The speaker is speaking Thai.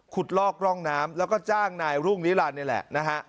ลอกร่องน้ำแล้วก็จ้างนายรุ่งนิรันดินี่แหละนะฮะ